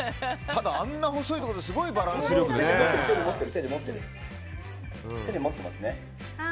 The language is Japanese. ただ、あんな細いところですごいバランス力ですね。